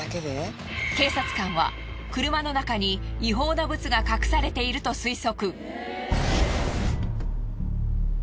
警察官は車の中に違法なブツが隠されていると推測。